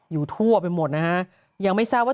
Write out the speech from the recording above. อยู่ทั่วไปหมดนะคะยังไม่เศร้าว่า